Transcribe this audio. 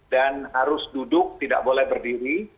dan harus duduk tidak boleh berdiri